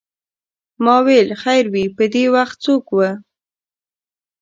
ما ویل خیر وې په دې وخت څوک و.